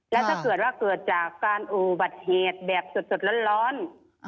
แล้วถ้าเกิดว่าเกิดจากการอูบัติเหตุแบบสุดสุดแล้วร้อนอ่า